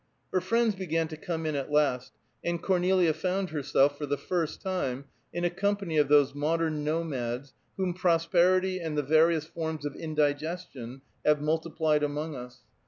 Her friends began to come in at last, and Cornelia found herself, for the first time, in a company of those modern nomads whom prosperity and the various forms of indigestion have multiplied among us.